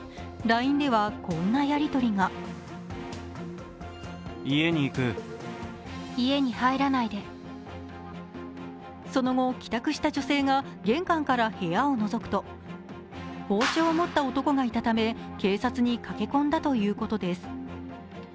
ＬＩＮＥでは、こんなやり取りがその後、帰宅した女性が玄関から部屋をのぞくと包丁を持った男がいたため警察に駆け込んだということです。